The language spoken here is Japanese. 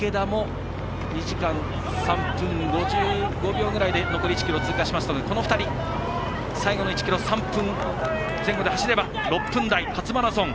池田も２時間３分５５秒ぐらいで１ｋｍ通過しましたのでこの２人、最後の１ｋｍ３分前後で走れば６分台、初マラソン。